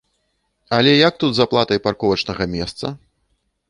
Але як тут з аплатай парковачнага месца?